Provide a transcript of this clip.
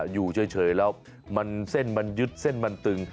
อยู่เฉยแล้วมันเส้นมันยึดเส้นมันตึง